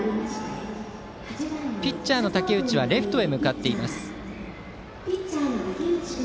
ピッチャーの武内はレフトへ向かっています。